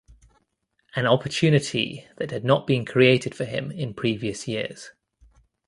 An opportunity that had not been created for him in previous years.